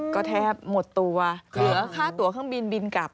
ก็แทบหมดตัวเผื่อฆ่าตัวข้างบินบินกลับ